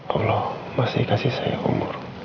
allah masih kasih saya umur